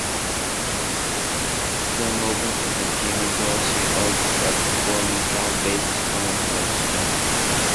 The film opens with the Jimmy Dorsey orchestra performing Count Basie's "One O'Clock Jump".